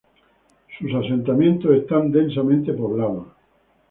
Sus asentamientos están densamente poblados.